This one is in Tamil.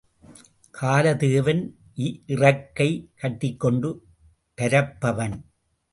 காலதேவன் இறக்கை கட்டிக்கொண்டு பரப்பவன்!